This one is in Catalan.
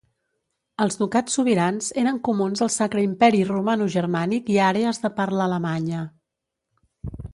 Els ducats sobirans eren comuns al Sacre Imperi Romanogermànic i àrees de parla alemanya.